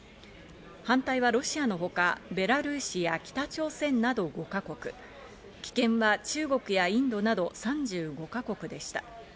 反対はロシアのほか、ベラルーシや北朝鮮など５か国、棄権は中国やインドなど３５か国でした。